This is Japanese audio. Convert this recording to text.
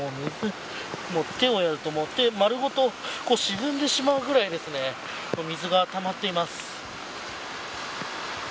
手をやると手が丸ごと沈んでしまうぐらい水がたまっています。